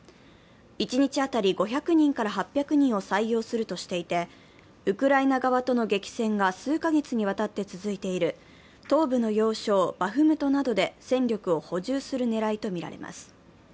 一日当たり５００人から８００人を採用するとしていて、ウクライナ側との激戦が数か月にわたって続いている東部の要衝バフムトなどで戦力を補充するねらいとみられています。